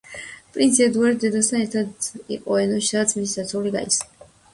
პრინცი ედუარდი დედასთან ერთად იყო ენოში, სადაც მისი საცოლე გაიცნო.